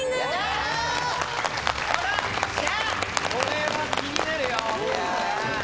これは気になるよ